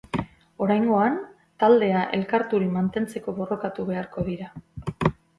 Oraingoan taldea elkarturik mantentzeko borrokatu beharko dira.